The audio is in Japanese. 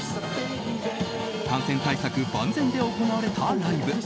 感染対策万全で行われたライブ。